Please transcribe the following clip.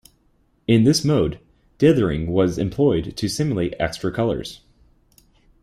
In this mode, dithering was employed to simulate extra colors.